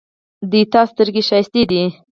د تا سترګې ښایسته دي